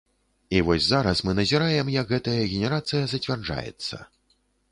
І вось зараз мы назіраем, як гэтая генерацыя зацвярджаецца.